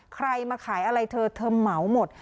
ใครมาขายอะไรเธอเธอเหมาหมด